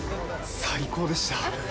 最高でした。